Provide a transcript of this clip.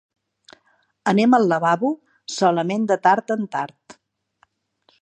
Anem al lavabo solament de tard en tard.